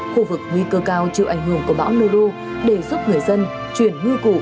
khu vực nguy cơ cao chịu ảnh hưởng của bão nu để giúp người dân chuyển ngư cụ